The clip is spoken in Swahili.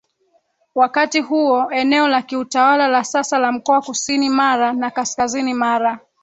wakati huo eneo la kiutawala la sasa la mkoa kusini Mara na kaskazini Mara